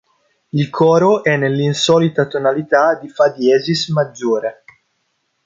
Il coro è nell'insolita tonalità di Fa diesis maggiore.